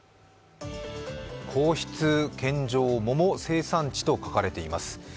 「皇室献上桃生産地」と書かれています。